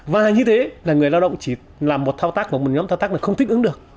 và như thế là người lao động chỉ làm một thao tác của một nhóm thao tác là không thích ứng được